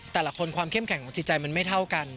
แต่ละคนความเข้มแข็งของจิตใจมันไม่เท่ากัน